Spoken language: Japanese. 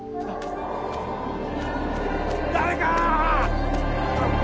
誰か！